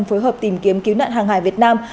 phối hợp tìm kiếm cứu nạn hàng hải việt nam